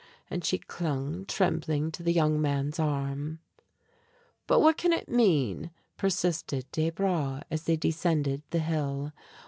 and she clung trembling to the young man's arm. "But what can it mean?" persisted Desbra, as they descended the hill.